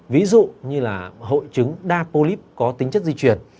ví dụ như là hội chứng đa polip có tính chất di chuyển